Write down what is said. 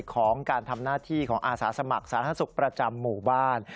ของการทำหน้าที่ของอาสาสมัครสาธารณสุขประจำหมู่บ้าน